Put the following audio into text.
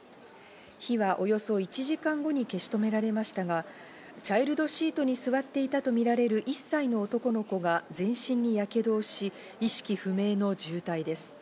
火はおよそ１時間後に消し止められましたがチャイルドシートに座っていたとみられる１歳の男の子が全身にやけどをし、意識不明の重体です。